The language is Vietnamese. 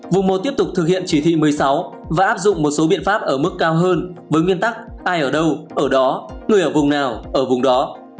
vùng một tiếp tục thực hiện chỉ thị một mươi sáu và áp dụng một số biện pháp ở mức cao hơn với nguyên tắc ai ở đâu ở đó người ở vùng nào ở vùng đó